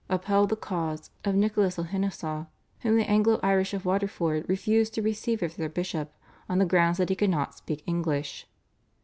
upheld the cause of Nicholas O'Henisa whom the Anglo Irish of Waterford refused to receive as their bishop on the ground that he could not speak English.